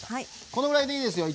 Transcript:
このぐらいでいいですよ。